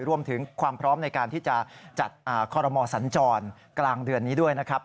รวมถึงความพร้อมในการที่จะจัดคอรมอสัญจรกลางเดือนนี้ด้วยนะครับ